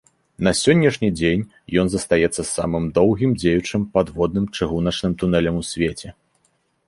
На сённяшні дзень ён застаецца самым доўгім дзеючым падводным чыгуначным тунэлем у свеце.